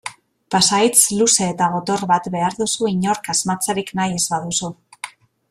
Pasahitz luze eta gotor bat behar duzu inork asmatzerik nahi ez baduzu.